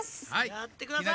やってください！